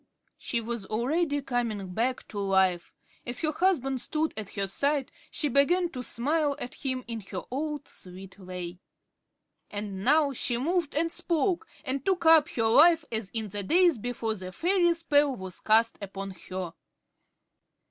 She was already coming back to life. As her husband stood at her side, she began to smile at him in her old, sweet way. And now she moved and spoke, and took up her life as in the days before the fairy spell was cast upon her.